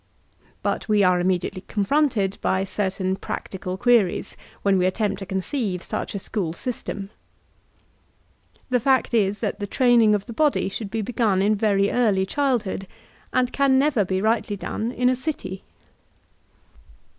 But we are immediately confronted by certain practical queries, when we attempt to conceive such a school systenL The fact is that the training of the body should be begun in very early childhood ; and can never be rightly done in a city.